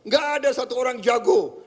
gak ada satu orang jago